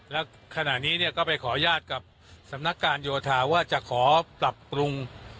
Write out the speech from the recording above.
แล้วขณะนี้เนี่ยก็ไปขออนุญาตกับสำนักการโยธาว่าจะขอปรับปรุง